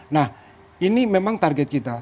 nah ini memang target kita